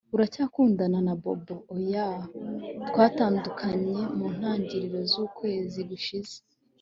Uracyakundana na Bobo Oya twatandukanye mu ntangiriro zukwezi gushize